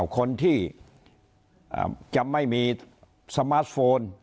คนที่จะไม่มีสมาร์ทโฟน